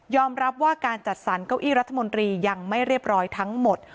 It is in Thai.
รับว่าการจัดสรรเก้าอี้รัฐมนตรียังไม่เรียบร้อยทั้งหมด